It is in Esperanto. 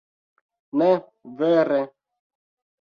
Ne vere...